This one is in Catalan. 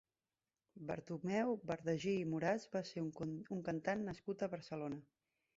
Bartomeu Bardagí i Moras va ser un cantant nascut a Barcelona.